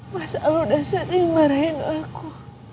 masa lu udah sering marahin aku